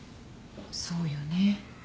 そうよね。